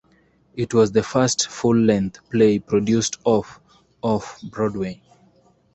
It was the first full-length play produced off-off-Broadway.